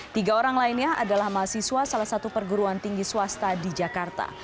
tiga orang lainnya adalah mahasiswa salah satu perguruan tinggi swasta di jakarta